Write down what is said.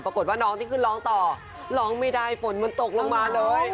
ปรากฏว่าน้องที่ขึ้นร้องต่อร้องไม่ได้ฝนมันตกลงมาเลย